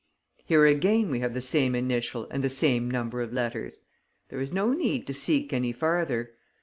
Here again we have the same initial and the same number of letters. There is no need to seek any farther.